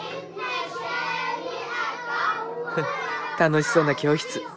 楽しそうな教室。